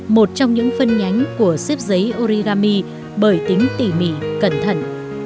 một trong những phân nhánh của xếp giấy origami bởi tính tỉ mỉ cẩn thận